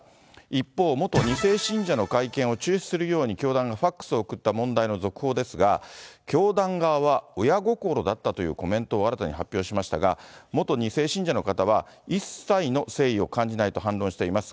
一方、元２世信者の会見を中止するように教団がファックスを送った問題の続報ですが、教団側は親心だったというコメントを新たに発表しましたが、元２世信者の方は一切の誠意を感じないと反論しています。